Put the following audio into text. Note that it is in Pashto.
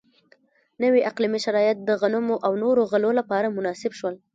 نوي اقلیمي شرایط د غنمو او نورو غلو لپاره مناسب شول.